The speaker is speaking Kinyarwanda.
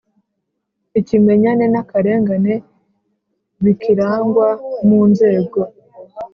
Ikimenyane n akarengane bikirangwa mu nzego